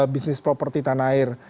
bisnis properti tanah air